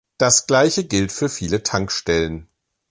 Das gleiche gilt für viele Tankstellen.